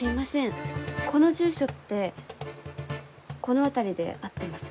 この住所ってこの辺りで合ってます？